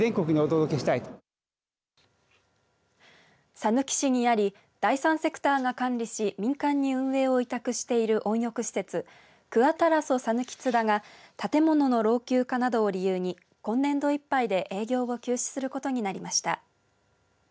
さぬき市にあり第三セクターが管理し民間に運営を委託している温浴施設クアタラソさぬき津田が建物の老朽化などを理由に今年度いっぱいで営業を休止することになりました。